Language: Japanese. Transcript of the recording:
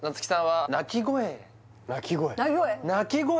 鳴き声鳴き声？